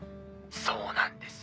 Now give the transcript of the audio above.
そうなんですよ。